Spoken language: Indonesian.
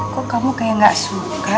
kok kamu kayak gak suka